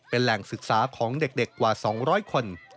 เป็นแหล่งศึกษาของเด็กกว่า๒๐๐คน